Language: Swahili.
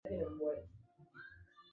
Nionyeshe matokeo ya kujifunza bila mwalimu